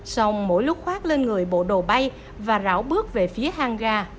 xong mỗi lúc khoát lên người bộ đồ bay và ráo bước về phía hang ga